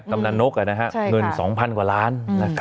กำลังนกเงิน๒๐๐๐กว่าล้าน